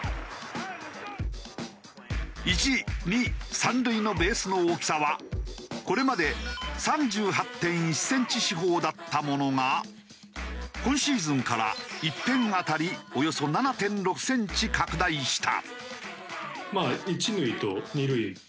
１２３塁のベースの大きさはこれまで３８．１センチ四方だったものが今シーズンから１辺当たりおよそ７．６センチ拡大した。